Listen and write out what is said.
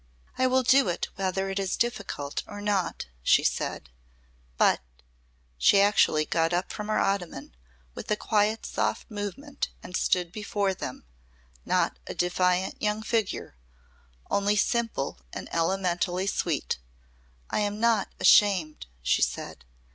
"I will do it whether it is difficult or not," she said, "but " she actually got up from her ottoman with a quiet soft movement and stood before them not a defiant young figure, only simple and elementally sweet "I am not ashamed," she said.